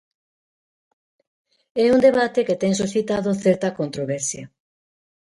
É un debate que ten suscitado certa controversia.